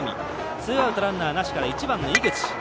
ツーアウト、ランナーなしから１番の井口。